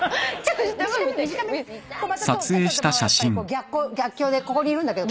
逆光逆境でここにいるんだけど。